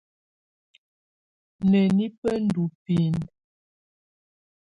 Nǝ́ni bá ndɔ́ binǝ?